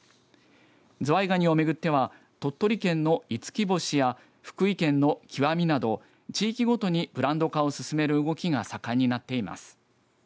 ズワイガニをめぐっては鳥取県の五輝星や福井県の極など地域ごとにブランド化を進める動きが盛んになっています。